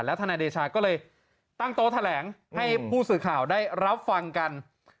ทนายเดชาก็เลยตั้งโต๊ะแถลงให้ผู้สื่อข่าวได้รับฟังกัน